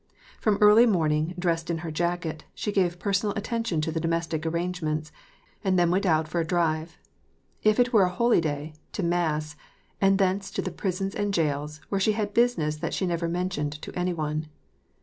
IVom early morning, dressed in her jacket, she gave personal attention to the domestic arrangements, and then went out for a drive ; if it were a holy day, to mass ; and thence to the prisons and jails, where she had business that she never mentioned to any one.